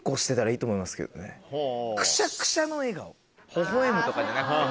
ほほ笑むとかじゃなくて。